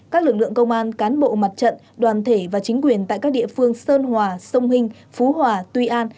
các lực lượng công an cán bộ mặt trận đoàn thể và chính quyền tại các địa phương sơn hòa sông hinh phú hòa tuy an